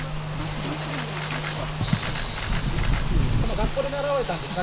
学校で習われたんですか？